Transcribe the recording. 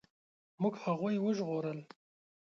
موږ هغوی وژغورل.